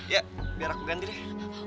ya biar aku ganti deh